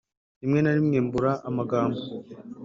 rimwe narimwe mbura amagambo